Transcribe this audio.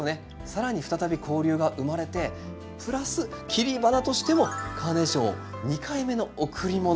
更に再び交流が生まれてプラス切り花としてもカーネーションを２回目の贈り物。